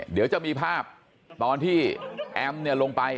เดี๋ยวจะมีภาพตอนที่แอมลงไป